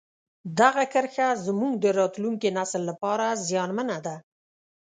دغه کرښه زموږ د راتلونکي نسل لپاره زیانمنه ده.